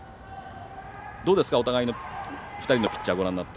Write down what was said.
どうですか、お互いの２人のピッチャーをご覧になって。